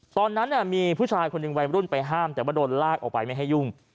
ตอนนั้นมีผู้ชายคนหนึ่งวัยรุ่นไปห้ามแต่ว่าโดนลากออกไปไม่ให้ยุ่ง